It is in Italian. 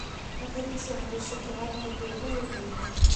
La polizia non riuscì a trovare i colpevoli o il bimbo.